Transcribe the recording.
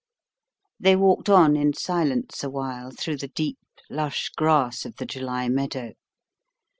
They walked on in silence a while through the deep, lush grass of the July meadow.